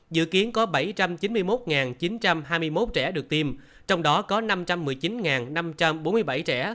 dự kiến có bảy trăm chín mươi một chín trăm hai mươi một trẻ được tiêm trong đó có năm trăm một mươi chín năm trăm bốn mươi bảy trẻ